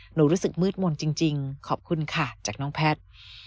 รู้สึกมืดมนต์จริงขอบคุณค่ะจากน้องแพทย์